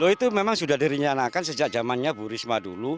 itu memang sudah dirinyakan sejak zamannya bu risma dulu